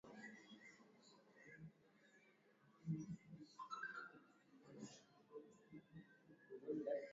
zikaachwa zimelegea au zikafungwa pamoja kwa ngozi Themanini na mbili Wakati wapiganaji kwenda kupitia